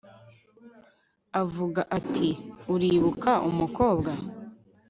avuga ati uribuka umukobwa